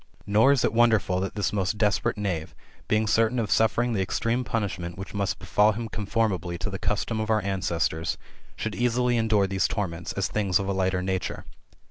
Nor is it wonderful that this most desperate knave, being certain of suffering the extreme punishment which must befal him conformably to the oustom GOLDEN ASS, OF APULEIUS. — BOOK JC 1 77 of our ancestors, should easily endure these torments, as things of a lighter nature.